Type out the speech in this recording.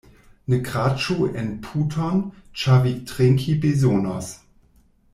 Ne kraĉu en puton, ĉar vi trinki bezonos.